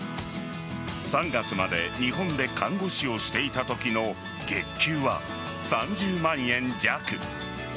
３月まで日本で看護師をしていたときの月給は３０万円弱。